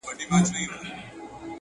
د ځان وژني د رسۍ خریدارۍ ته ولاړم!!